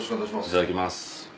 いただきます。